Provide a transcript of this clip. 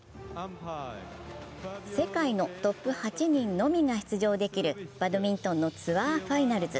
世界のトップ８人のみが出場できるバドミントンのツアーファイナルズ。